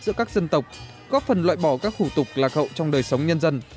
hội đoàn kết giữa các dân tộc góp phần loại bỏ các khủ tục lạc hậu trong đời sống nhân dân